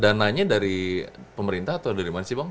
dananya dari pemerintah atau dari mana sih bang